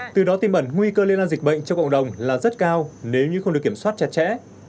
từ đó tìm ẩn nguy cơ liên an dịch bệnh cho cộng đồng là rất cao nếu như không được kiểm soát chặt chẽ